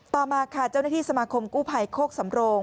ต่อมาค่ะเจ้าหน้าที่สมาคมกู้ภัยโคกสำโรง